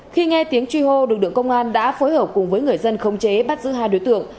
khi nghe tiếng truy hô đường đường công an đã phối hợp cùng với người dân không chế bắt giữ hai đối tượng